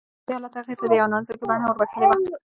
دې حالت هغې ته د يوې نانځکې بڼه وربښلې وه